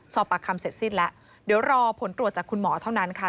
สอบปากคำเสร็จสิ้นแล้วเดี๋ยวรอผลตรวจจากคุณหมอเท่านั้นค่ะ